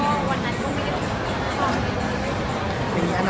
แต่ผ่วงงานไม่ต้องอะไรอย่างนี้